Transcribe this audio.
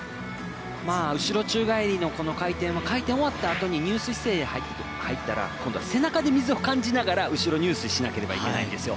後ろ宙返りの回転は回転が終わったあとに入水姿勢に入ったら、今度は背中に水を感じながら後ろ入水しなければいけないんですよ。